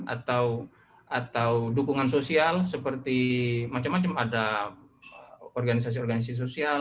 atau dukungan sosial seperti macam macam ada organisasi organisasi sosial